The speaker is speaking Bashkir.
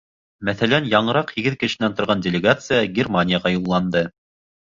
Мәҫәлән, яңыраҡ һигеҙ кешенән торған делегация Германияға юлланды.